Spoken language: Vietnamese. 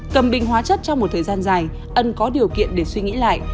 cầm bình hóa chất trong một thời gian dài ân có điều kiện để suy nghĩ lại